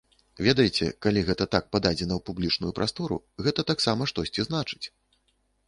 Ведаеце, калі гэта так пададзена ў публічную прастору, гэта таксама штосьці значыць.